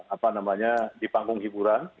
apa namanya dipanggung hiburan